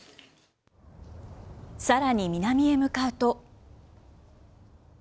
さらに南へ向かうと。